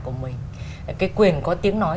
của mình cái quyền có tiếng nói